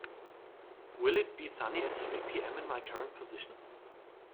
Will it be sunny at three pm in my current position